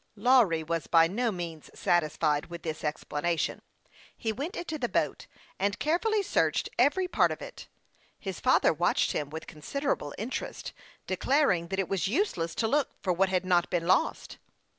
Lawry was by no means satisfied with this ex planation. He went into the boat, and carefully searched every part of it. His father watched him with considerable interest, declaring that it was use less to look for what had not been lost.